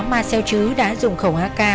mà xeo chứ đã dùng khẩu ak